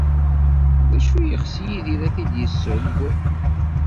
D acu ay yeɣs Yidir ad t-id-yesseww?